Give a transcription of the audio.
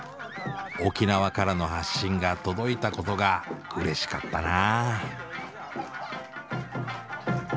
沖縄からの発信が届いたことがうれしかったな。